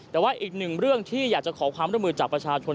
แต่ว่าอีกหนึ่งเรื่องที่อยากจะขอความร่วมมือจากประชาชน